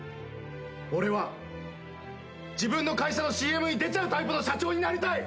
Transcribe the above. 俺は自分の会社のＣＭに出ちゃうタイプの社長になりたい！